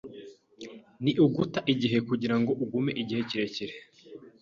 Ni uguta igihe kugirango ugume igihe kirekire.